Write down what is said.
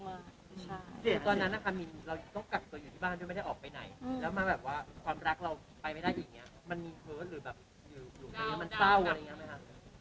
เสียตอนนั้นน่ะค่ะมินเราต้องกลับตัวอยู่ที่บ้านไม่ได้ออกไปไหนแล้วมาแบบว่าความรักเราไปไม่ได้อย่างนี้มันมีเผลอหรือแบบมันเศร้าอะไรอย่างนี้ไหมคะ